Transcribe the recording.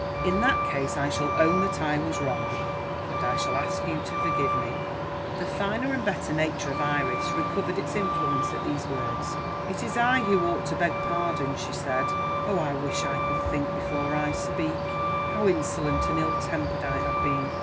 "In that case, I shall own that I was wrong, and shall ask you to forgive me." The finer and better nature of Iris recovered its influence at these words. "It is I who ought to beg pardon," she said. "Oh, I wish I could think before I speak: how insolent and ill tempered I have been!